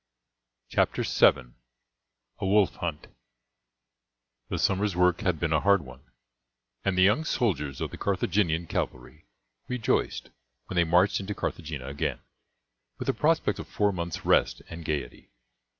CHAPTER VII: A WOLF HUNT The summer's work had been a hard one and the young soldiers of the Carthaginian cavalry rejoiced when they marched into Carthagena again, with the prospect of four months' rest and gaiety.